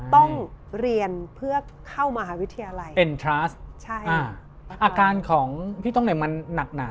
ต้องเรียนเพื่อเข้ามหาวิทยาลัยเอ็นทราสใช่อ่าอาการของพี่ต้องเนี่ยมันหนักหนา